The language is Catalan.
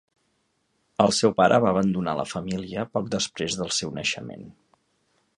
El seu pare va abandonar la família poc després del seu naixement.